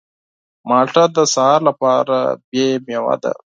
مالټه د سهار لپاره غوره مېوه ده.